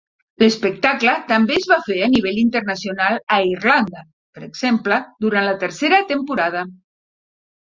L"espectable també es va fer a nivell internacional a Irlanda, per exemple, durant la Tercera temporada.